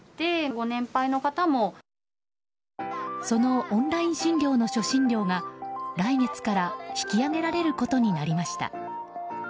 そのオンライン診療の初診料が来月から引き上げられることになりました。